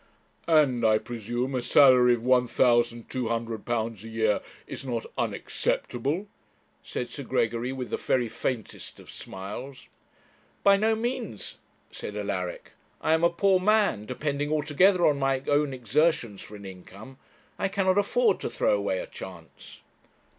'And, I presume, a salary of £1,200 a year is not unacceptable?' said Sir Gregory, with the very faintest of smiles. 'By no means,' said Alaric; 'I am a poor man, depending altogether on my own exertions for an income. I cannot afford to throw away a chance.'